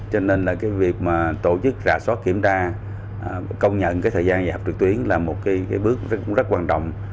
cho nên việc tổ chức rà so kiểm tra công nhận thời gian dạy học trực tuyến là một bước rất quan trọng